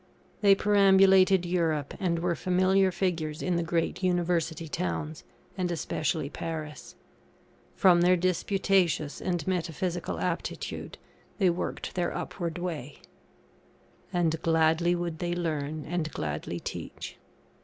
They perambulated Europe, and were familiar figures in the great University towns, and especially Paris. From their disputatious and metaphysical aptitude, they worked their upward way And gladly would they learn and gladly teach.